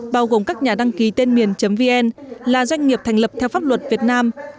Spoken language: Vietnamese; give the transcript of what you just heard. bao gồm các nhà đăng ký tên miền vn là doanh nghiệp thành lập theo pháp luật việt nam